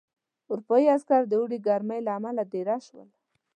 اروپايي عسکر د اوړي ګرمۍ له امله دېره شول.